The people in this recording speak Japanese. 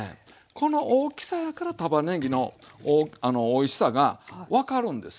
この大きさやからたまねぎのおいしさが分かるんですよ。